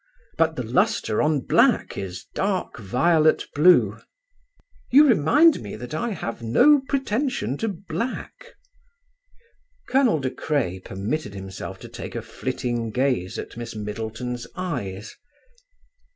"But the lustre on black is dark violet blue." "You remind me that I have no pretension to black." Colonel De Craye permitted himself to take a flitting gaze at Miss Middleton's eyes.